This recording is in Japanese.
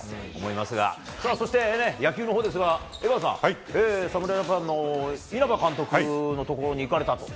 今日はそして野球のほう江川さん侍ジャパンの稲葉監督のところに行かれたと。